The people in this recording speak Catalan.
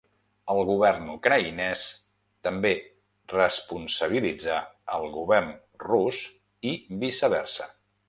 El Govern ucraïnès també responsabilitzà el Govern rus i viceversa.